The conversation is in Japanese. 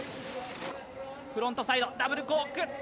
フロントサイドダブルコーク１０８０。